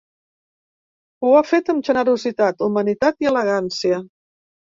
Ho ha fet amb generositat, humanitat i elegància.